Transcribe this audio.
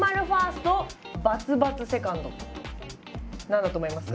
何だと思いますか？